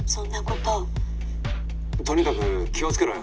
「とにかく気をつけろよ。